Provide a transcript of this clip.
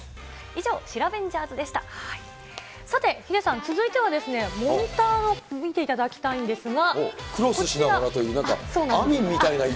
以上、さて、ヒデさん、続いては、モニターを見ていただきたいんですが。